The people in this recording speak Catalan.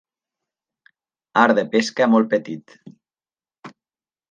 Art de pesca molt petit.